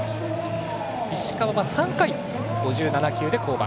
石川は３回、５７球で降板。